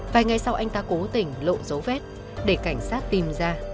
vài ngày sau anh ta cố tình lộ dấu vết để cảnh sát tìm ra